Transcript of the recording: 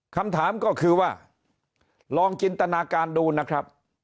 คำถามก็คือว่าลองจินตนาการดูนะครับ